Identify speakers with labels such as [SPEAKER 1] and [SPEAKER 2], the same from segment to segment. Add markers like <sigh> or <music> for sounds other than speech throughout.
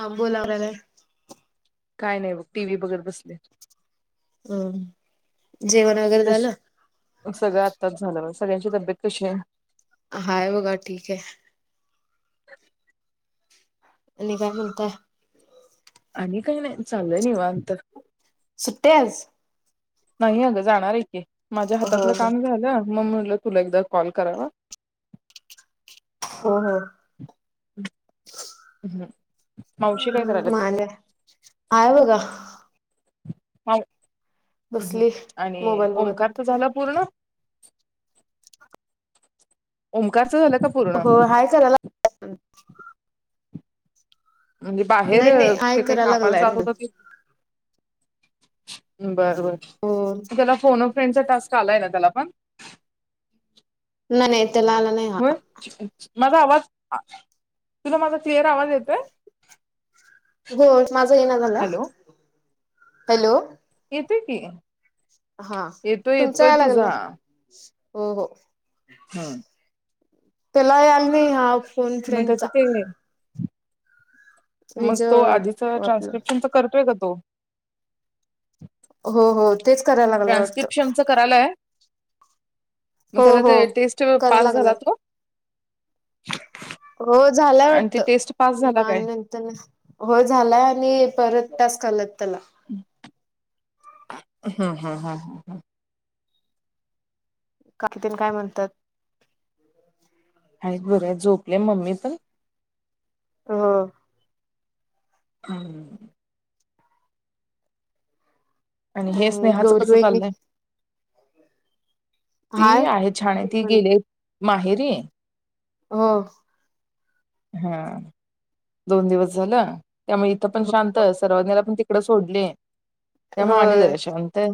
[SPEAKER 1] हां बोलावलेले.
[SPEAKER 2] काय नाय बघ टी व्ही बघत बसले.
[SPEAKER 1] हं. जेवण वगैरे झालं?
[SPEAKER 2] बघ सगळं आत्ताच झालं सगळ्यांची तब्येत कशी आहे?
[SPEAKER 1] हाय. उगा ठीक हाय. आनी काय म्हनताय?
[SPEAKER 2] आनी काय नाय. चाललेय निवांत.
[SPEAKER 1] सु्ट्याच..
[SPEAKER 2] नाही अगं! जाणार ए. माझ्या
[SPEAKER 1] हो
[SPEAKER 2] हातातलं
[SPEAKER 1] हो
[SPEAKER 2] काम झालं ना, म म्हनल तुला एकदा कॉल करावा.
[SPEAKER 1] हो. हो.
[SPEAKER 2] हं. मावशी काय करालाच
[SPEAKER 1] आय बगा.
[SPEAKER 2] हाव. हम् आणि..
[SPEAKER 1] मोबाईल बघत.
[SPEAKER 2] ओमकारच झालं पूर्ण? <unintelligible> ओमकार? झालं का पूर्ण?
[SPEAKER 1] हो हाय करायला
[SPEAKER 2] म्हणजे बाहेर
[SPEAKER 1] नाही नाही हाय
[SPEAKER 2] ते काही
[SPEAKER 1] करायला
[SPEAKER 2] कापाला
[SPEAKER 1] लागलाय
[SPEAKER 2] जात
[SPEAKER 1] म्हणून
[SPEAKER 2] होत ते बर बर
[SPEAKER 1] हो
[SPEAKER 2] त्याला फोन त्याचं टास्क आलाय ना त्याला पण.
[SPEAKER 1] नाही नाही. त्याला आला नाही हा
[SPEAKER 2] होय. माझा आवाज तुला माझा क्लिअर आवाज येतोय.
[SPEAKER 1] गोट माझा ये ना झाला.
[SPEAKER 2] Hello
[SPEAKER 1] hello.
[SPEAKER 2] येत की.
[SPEAKER 1] हा
[SPEAKER 2] येतोय
[SPEAKER 1] तुमचा
[SPEAKER 2] येतोय
[SPEAKER 1] याय
[SPEAKER 2] तुझा.
[SPEAKER 1] लागललंय हो हो.
[SPEAKER 2] हम्म.
[SPEAKER 1] त्याला याल नाही हाफ फोन
[SPEAKER 2] मग
[SPEAKER 1] फ्रेंड
[SPEAKER 2] त्याचं
[SPEAKER 1] चा.
[SPEAKER 2] ते मग तो आधीचा
[SPEAKER 1] आपलं
[SPEAKER 2] ट्रान्स्क्रिप्शनच करतोय का हो
[SPEAKER 1] हो हो तेच करायला लागला वाटतं.
[SPEAKER 2] ट्रान्स्क्रिप्शनचं करायलाय मग
[SPEAKER 1] हो
[SPEAKER 2] त्याला
[SPEAKER 1] हो
[SPEAKER 2] ते टेस्ट
[SPEAKER 1] कराय
[SPEAKER 2] पास झाला
[SPEAKER 1] लागलाय
[SPEAKER 2] तो
[SPEAKER 1] हो झालाय
[SPEAKER 2] आणि ते
[SPEAKER 1] वाटत
[SPEAKER 2] टेस्ट पास झाला
[SPEAKER 1] मग
[SPEAKER 2] काय
[SPEAKER 1] आणि नंतर न हो झालाय आणि परत टास्क आल्यात त्याला
[SPEAKER 2] हा हा हा ह ह
[SPEAKER 1] काय तेनी काय म्हणतात
[SPEAKER 2] आहेत बरी आहेत झोपले मम्मी तर
[SPEAKER 1] हो
[SPEAKER 2] हम्म आणि हे
[SPEAKER 1] अं
[SPEAKER 2] स्नेहाचं
[SPEAKER 1] गौरी
[SPEAKER 2] कसं
[SPEAKER 1] वहिनी
[SPEAKER 2] चाललंय ती
[SPEAKER 1] हाय
[SPEAKER 2] आहे छान
[SPEAKER 1] ते
[SPEAKER 2] ती गेले माहेरी
[SPEAKER 1] हा
[SPEAKER 2] हा दोन दिवस झाल त्यामुळे इथं पण
[SPEAKER 1] हो
[SPEAKER 2] शांत सर्वांनी पण ते इकड सोडले त्या मूळ आणि
[SPEAKER 1] होय
[SPEAKER 2] जरा शांत आहे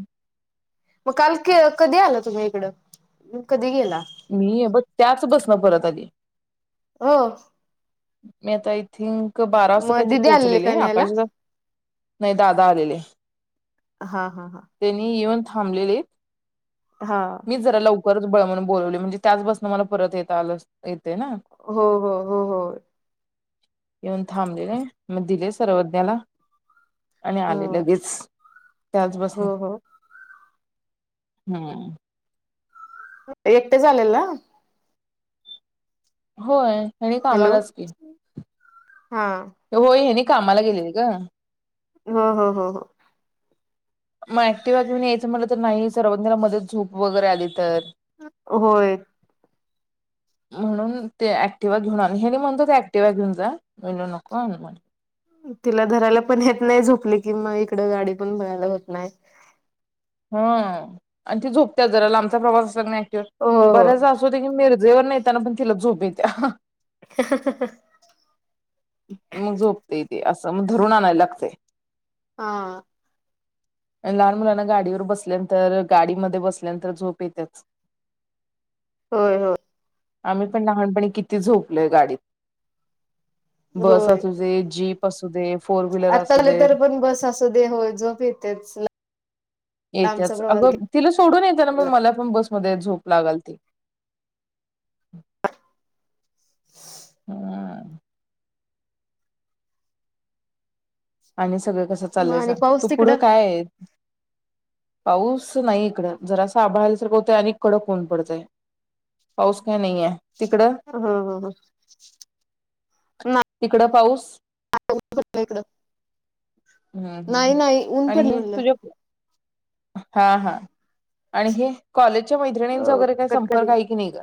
[SPEAKER 1] मग काल कधी आलं तुम्ही एकडं
[SPEAKER 2] मी हे ब त्याच बसनं परत आली
[SPEAKER 1] हो
[SPEAKER 2] मी आता आय थिंक बारा वाजता
[SPEAKER 1] मग
[SPEAKER 2] काहीतरी
[SPEAKER 1] दिदी आलेली
[SPEAKER 2] पोहोचलेले
[SPEAKER 1] काय
[SPEAKER 2] आहे
[SPEAKER 1] न्यायला
[SPEAKER 2] आकाश दादा नाही दादा आलेले
[SPEAKER 1] हा हा हा
[SPEAKER 2] त्यांनी येऊन थांबलेले
[SPEAKER 1] हा
[SPEAKER 2] मी जरा लवकर बरेच बळ म्हणून बोलवले म्हणजे त्याच बस मला परत येता आलं ना
[SPEAKER 1] हो हो हो हो
[SPEAKER 2] येऊन थांबलेले मग दिले सर्वज्ञाला आणि आले
[SPEAKER 1] हो
[SPEAKER 2] लगेच त्याच बसणे
[SPEAKER 1] हो हो
[SPEAKER 2] हम्म.
[SPEAKER 1] एकटेच आलेला?
[SPEAKER 2] होय. हेनी
[SPEAKER 1] हॅलो
[SPEAKER 2] कामालाच की.
[SPEAKER 1] हा.
[SPEAKER 2] होय, हेनि कामाला गेलेले ग.
[SPEAKER 1] हा हा ह ह.
[SPEAKER 2] मग ऍक्टिव्हा घेऊन यायचं म्हटलं, तर नाही सर्वज्ञाला मदत झोप वगैरे आली तर.
[SPEAKER 1] होय.
[SPEAKER 2] म्हणून ते ऍक्टिवा घेऊन, हेनि म्हणत ऍक्टिवा घेऊन जा, म्हणल नको <unintelligible>
[SPEAKER 1] तिला धरायला पण येत नाही झोपली कि म इकडं गाडी पण बघयला होत नाही.
[SPEAKER 2] हम आणि ती झोपत्याच जरा लांबचा प्रवास असला की नाही.
[SPEAKER 1] हो हो.
[SPEAKER 2] बर्याचदा अस होतंय की जेवण <unintelligible> तिला झोप येते.
[SPEAKER 1] <unintelligible>
[SPEAKER 2] मग झोपतय तेे असं मग धरून आणाय लागतय.
[SPEAKER 1] हा.
[SPEAKER 2] लहान मुलांना गाडीवर बसल्यानंतर गाडीमध्ये बसल्यांतर झोप येतच.
[SPEAKER 1] होय हो.
[SPEAKER 2] आम्ही पण लहानपणी किती झोपलोय गाडीत. बस
[SPEAKER 1] होय.
[SPEAKER 2] असू दे जीप असू दे. फोर व्हीलर असू दे
[SPEAKER 1] <unintelligible> तर पण बस असू दे, होय झोप येतेच. लांबचा
[SPEAKER 2] येत्याच
[SPEAKER 1] प्रवास
[SPEAKER 2] अगं तिला सोडून येत ना मग मला पण बसमध्ये झ खूप लागल त. आणि सगळं कसं
[SPEAKER 1] म
[SPEAKER 2] चालायच
[SPEAKER 1] आणि
[SPEAKER 2] <unintelligible> तू
[SPEAKER 1] पाऊस
[SPEAKER 2] पुढं
[SPEAKER 1] तिकडं
[SPEAKER 2] काय? पाऊस नाही इकड जरासं आभळाल आल्यासारखं होतंय आणि कडक ऊन पडतय, पाऊस काय नाहीय.
[SPEAKER 1] हम
[SPEAKER 2] तिकडं पाऊस
[SPEAKER 1] <unintelligible>
[SPEAKER 2] हम्म हम्म हम् आणि
[SPEAKER 1] पडलं
[SPEAKER 2] हे
[SPEAKER 1] म्हणलं.
[SPEAKER 2] तुझ्या हा हा आणि हे कॉलेज च्या मैत्रिणींच
[SPEAKER 1] अ
[SPEAKER 2] वगैरे काही
[SPEAKER 1] कटकट
[SPEAKER 2] संपर्क आहे की नाही ग?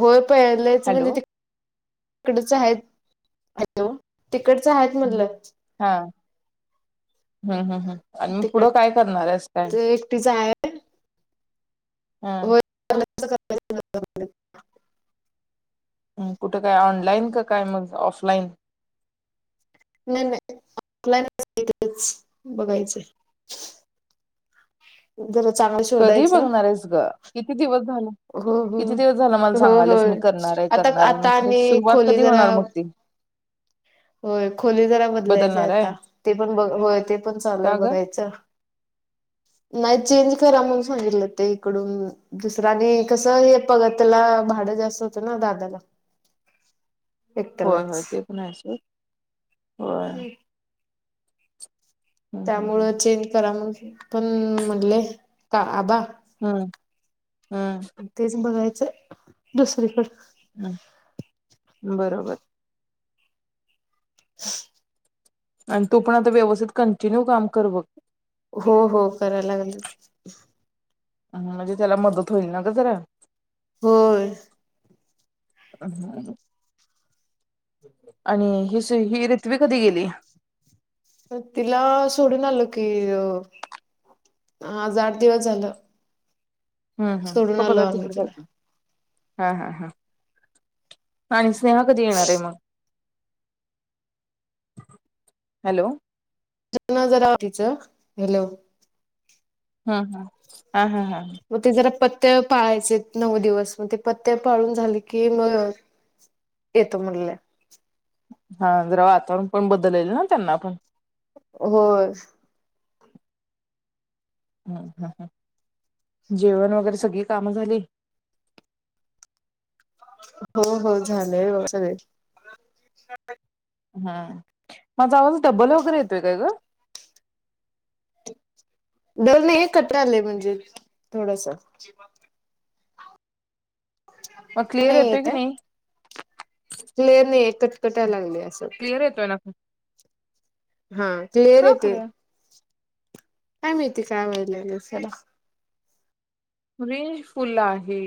[SPEAKER 1] होय, पहिलेच म्हणजे
[SPEAKER 2] हॅलो
[SPEAKER 1] ती तकडेच आहेत. हॅलो. तिकडच आहेत म्हटलं.
[SPEAKER 2] हम् हम् हम्. आणि म
[SPEAKER 1] तिकड
[SPEAKER 2] पुढं काय करणार आहेस काय?
[SPEAKER 1] एकटीच आहे
[SPEAKER 2] हा...
[SPEAKER 1] होय. <unintelligible>
[SPEAKER 2] हम्म.. कुठं काय ऑनलाईन का काय मग ऑफलाईन.
[SPEAKER 1] नाही नाही ऑलाच बघायचं. जरा चांगलं
[SPEAKER 2] कधी
[SPEAKER 1] शोधायचं
[SPEAKER 2] बघणार आहेस ग किती दिवस झालं,
[SPEAKER 1] हो हो
[SPEAKER 2] किती दिवस झालं मला
[SPEAKER 1] हो
[SPEAKER 2] सांगालेस
[SPEAKER 1] होय
[SPEAKER 2] मी करणार आहे
[SPEAKER 1] आता
[SPEAKER 2] करणार आहे
[SPEAKER 1] आता
[SPEAKER 2] मग खरं
[SPEAKER 1] आणि
[SPEAKER 2] सुरुवात
[SPEAKER 1] खोली
[SPEAKER 2] कधी
[SPEAKER 1] जरा
[SPEAKER 2] होणार मग ती.
[SPEAKER 1] होय खोली जरा बदलायचे
[SPEAKER 2] बदलणार आहे
[SPEAKER 1] आता, ते पण बघ ते पण चालूय
[SPEAKER 2] का ग?
[SPEAKER 1] बघायचं. नाही चेंज करा म्हणून सांगितलं ते इकडून दुसऱ्यानी, कसं हे पगतला भाडं जास्त होत ना दादाला.
[SPEAKER 2] होय. होय. ते पण आहेस होय.
[SPEAKER 1] हम्..
[SPEAKER 2] हम्म हम्म
[SPEAKER 1] त्यामुळं चेंज करा म्हंटले. पण म्हटले का आबा
[SPEAKER 2] हम्म हम्म
[SPEAKER 1] तेच बघायच च दुसरी कड
[SPEAKER 2] हम्. बरोबर!
[SPEAKER 1] <unintelligible>
[SPEAKER 2] आणि तू पण आता व्यवस्थित कंटिन्यू काम कर बघ.
[SPEAKER 1] हो. हो.. करा लागलं.
[SPEAKER 2] हम म्हणजे, त्याला मदत होईल ना ग जरा.
[SPEAKER 1] होय.
[SPEAKER 2] आणि हि सी हि रथ्वी कधी गेली?
[SPEAKER 1] तिला सोडून आलो कि, आज आठ दिवस झालं.
[SPEAKER 2] हम्. हम..
[SPEAKER 1] सोडून
[SPEAKER 2] तो
[SPEAKER 1] आलो
[SPEAKER 2] भगा
[SPEAKER 1] आम्ही
[SPEAKER 2] तिकडे सारखे.
[SPEAKER 1] तिला
[SPEAKER 2] हा हा हा.. आणि स्नेहा कधी येणार ये मग? हॅलो!
[SPEAKER 1] जनर जगाव <inaudible> तिच हॅलो!
[SPEAKER 2] हं हं आ हा हा..
[SPEAKER 1] व ती जरा पत् पत्त्या पाळायचे नऊ दिवस म ते पत्त्या पाळून झाले की मग येतो म्हणल्या.
[SPEAKER 2] हा जरा वातावरण पण बदललेल ना त्यांना पण.
[SPEAKER 1] होय
[SPEAKER 2] हम्म.. ह. ह.. जेवण वगैरे सगळी कामं झाली?
[SPEAKER 1] हो.. हो. झालंय सगळे.
[SPEAKER 2] हम्म.. माझा आवाज डब्बल वगैरे येतोय काय ग?
[SPEAKER 1] डबल नाही आहे कत्रालय म्हणजे थोडसा.
[SPEAKER 2] मग क्लिअर येतोय की नाही?
[SPEAKER 1] क्लियर नाही कटकटायला लागले असं.
[SPEAKER 2] क्लिअर येतोय ना
[SPEAKER 1] हा क्लियर
[SPEAKER 2] का
[SPEAKER 1] येते.
[SPEAKER 2] खरं
[SPEAKER 1] काय माहिती काय व्हाय लायले सला.
[SPEAKER 2] रेंज फुल आहे.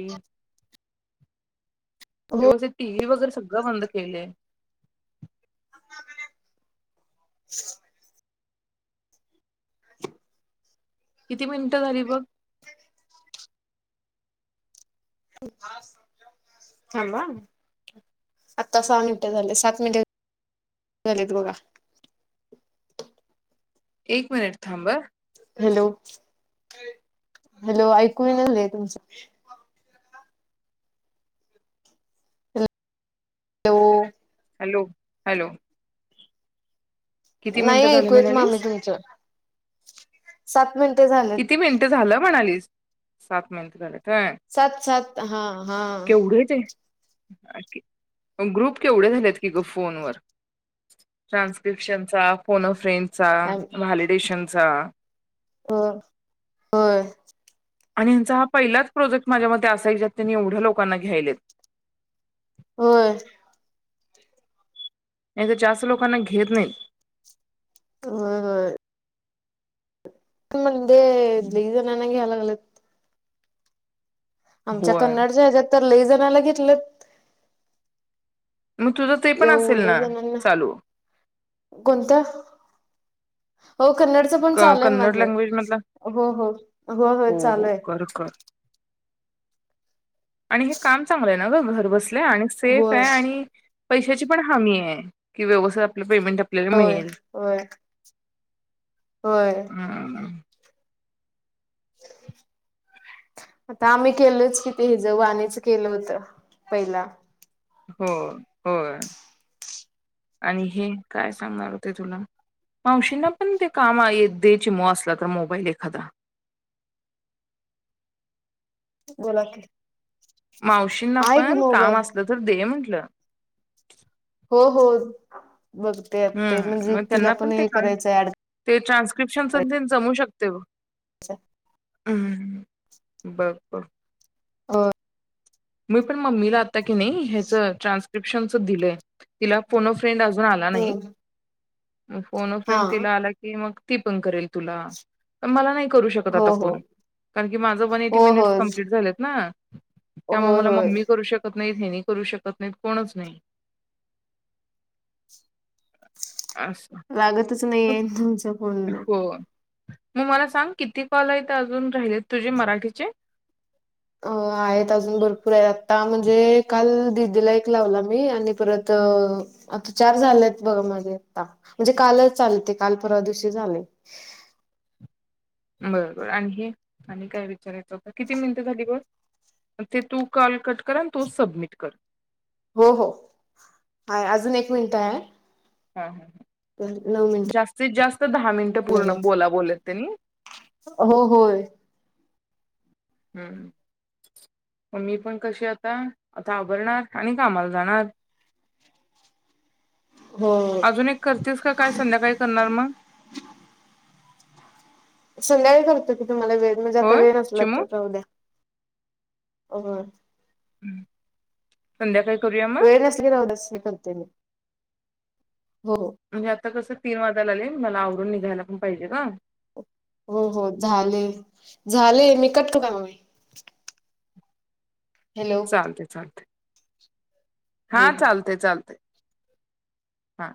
[SPEAKER 1] हो
[SPEAKER 2] व्यवथित टीव्ही वगैरे सगळं बंद केलेय.
[SPEAKER 1] <inaudible>
[SPEAKER 2] किती मिनिटं झाली बघ.
[SPEAKER 1] थांब ह आता सहा मिनिटे झाले सात मिनिटे झालेत बघा.
[SPEAKER 2] एक मिनिट थांब ह.
[SPEAKER 1] हॅलो हॅलो ऐकू ययना ताई तुमचं. हॅलो.
[SPEAKER 2] Hello hello. किती
[SPEAKER 1] नाही
[SPEAKER 2] मिनिटं झाले
[SPEAKER 1] ऐकू येत
[SPEAKER 2] म्हणालीस
[SPEAKER 1] मामी तुमच सात मिन
[SPEAKER 2] किती मिनिटं झालं म्हणालीस. सात मिनटं झालेत.
[SPEAKER 1] सात सात हा हा.
[SPEAKER 2] केवढे ते ग्रुप केवढे झालेत की ग फोनवर ट्रान्सक्रिप्शनचा फोन अ फ्रेंड चा
[SPEAKER 1] हो
[SPEAKER 2] व्हॅलिडेशनचा.
[SPEAKER 1] हो होय.
[SPEAKER 2] आणिल चा हा पहिलाच प्रोजेक्ट माझ्या मते असाय ज्यात त्यांनी एवढ्या लोकांना घ्यायलेत.
[SPEAKER 1] होय.
[SPEAKER 2] येथे जास्त लोकांना घेत नाही.
[SPEAKER 1] होय होय. तुम्ह ते लय जणांना घ्यायला. लेत. <unintelligible> आमच्या
[SPEAKER 2] होय
[SPEAKER 1] कन्नड च्या हेज्यात. तर लई जणाला घेतलं
[SPEAKER 2] मग तुझं ते पण असेल ना चालू
[SPEAKER 1] कोणत? हो कन्नडच पण
[SPEAKER 2] क
[SPEAKER 1] चालूय माझ
[SPEAKER 2] कन्नड लँग्वेज मधला
[SPEAKER 1] हो हो हो हो चालूय.
[SPEAKER 2] आणि हे काम चांगलंय ना ग घर बस ल्या आणि सेफे
[SPEAKER 1] होय
[SPEAKER 2] आणि पैशाची पण हाम्मीये कि व्यवसाय आपल्या पेमेंट आपल्याला
[SPEAKER 1] होय
[SPEAKER 2] मिळेल.
[SPEAKER 1] होय होय
[SPEAKER 2] हम्म.
[SPEAKER 1] आता आम्ही केलच कि ते हेच वाणिच केलं होतं पहिला.
[SPEAKER 2] हो होय आणि हे काय सांगणार होते तुला मावशीना पण ते काम दे चिमु असला त मोबाईल एखादा.
[SPEAKER 1] बोला की.
[SPEAKER 2] मावशींना
[SPEAKER 1] आहे की
[SPEAKER 2] पण काम
[SPEAKER 1] मोबाईल
[SPEAKER 2] असलं? <unintelligible>
[SPEAKER 1] हो हो. बघते, ते
[SPEAKER 2] हम्म
[SPEAKER 1] म्हणजे
[SPEAKER 2] मग
[SPEAKER 1] तिला
[SPEAKER 2] त्यांना
[SPEAKER 1] पण
[SPEAKER 2] ते
[SPEAKER 1] हे
[SPEAKER 2] काम
[SPEAKER 1] करायचं ऍंड?
[SPEAKER 2] ते ट्रान्स्क्रिप्शनच ते जमू शकते बगं.
[SPEAKER 1] अच्छा.
[SPEAKER 2] बगं-बगं.
[SPEAKER 1] अ.
[SPEAKER 2] मी पण मम्मीला आता की नाही, ह्याच ट्रान्स्क्रिप्शनच, दिलंय तिला फोन अ. फ्रेंड अजून आला नाही.
[SPEAKER 1] हम्म.
[SPEAKER 2] अ फोनो
[SPEAKER 1] हा
[SPEAKER 2] फ्रेंड, तिला अला की मंग. ती पण करेल तुला, पण मला नाही करु शकत
[SPEAKER 1] हो
[SPEAKER 2] आता
[SPEAKER 1] हो
[SPEAKER 2] फोन, कारण की माझा पण
[SPEAKER 1] हो
[SPEAKER 2] एटी मिनिट्स
[SPEAKER 1] होय
[SPEAKER 2] कपलिंट झालेत ना. त्यामुळ
[SPEAKER 1] होय
[SPEAKER 2] मला
[SPEAKER 1] होय
[SPEAKER 2] मम्मी करू शकत. नाही हे नी करू शकत, नाही कोणच नाही. <inaudible> अस.
[SPEAKER 1] नाही आहे तुमच फोन.
[SPEAKER 2] मग मला सांग, किती कॉल आहेत अजून राहिलेत तुझे मराठीचे?
[SPEAKER 1] अ आहेत अजून भरपूर आहे. आता म्हणजे काल दिदीला एक लावला, मी आणि परत आता चार झालेत बघा माझे. आता म्हणजे कालच चाले ते काल परवा दिवशी झाले.
[SPEAKER 2] बरं-बरं आणि हे आणि काय विचारायचं होत, किती मिनिटं झाली बगं, अन ते तू कॉल कट कर आणि तूच सबमिट कर.
[SPEAKER 1] हो-हो हाय, अजून एक मिनट हाय.
[SPEAKER 2] हां-हां
[SPEAKER 1] नऊ मिनट.
[SPEAKER 2] क्त दहा मिनिटं! पूर्ण बोला बोलेत त्यांनी.
[SPEAKER 1] हो होय
[SPEAKER 2] हुं मग मी, पण कशी आता, आता आवरणार आणि कामाला जाणार.
[SPEAKER 1] हो
[SPEAKER 2] अजून एक करतिस का? काय संध्याकाळी करणार मग.
[SPEAKER 1] संध्याकाळी करते. म्हणजे, मला वेळ म्हणजे, आता
[SPEAKER 2] होय
[SPEAKER 1] वेळ नसला तर
[SPEAKER 2] चिमू?
[SPEAKER 1] राऊ दया. होय.
[SPEAKER 2] संध्याकाळी. करूया मग?
[SPEAKER 1] वेळ नसेल तर राहु दया, संध्या करते मि.
[SPEAKER 2] म्हणजे आता कसं. तीन वाजाला आले, मला आवरून निघायला पण पाहिजे ग.
[SPEAKER 1] हो-हो, झाले-झाले, मी कट कर मम्मी. हॅलो
[SPEAKER 2] चालते चालते. हा
[SPEAKER 1] हो हो
[SPEAKER 2] चालते चालते. हा.